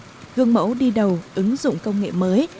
hương mẫu đi đầu ứng dụng công nghệ mới